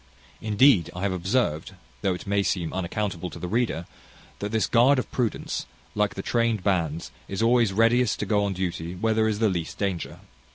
Indeed, I have observed, though it may seem unaccountable to the reader, that this guard of prudence, like the trained bands, is always readiest to go on duty where there is the least danger.